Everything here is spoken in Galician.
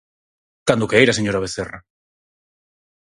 Cando queira, señora Vecerra.